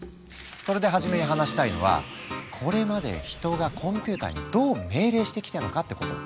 それで初めに話したいのはこれまで人がコンピューターにどう命令してきたのかってこと。